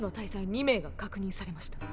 二名が確認されました。